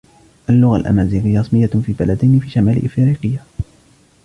اللغة الامازيغية رسمية في بلدين في شمال إفريقيا.